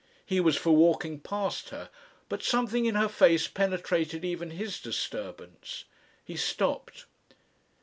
He was for walking past her, but something in her face penetrated even his disturbance. He stopped.